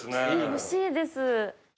欲しいです。